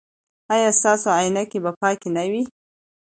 ایا ستاسو عینکې به پاکې نه وي؟